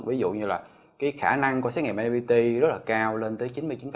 ví dụ như là cái khả năng của xét nghiệm mbt rất là cao lên tới chín mươi chín